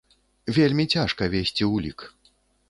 Вельмі цяжка весці ўлік.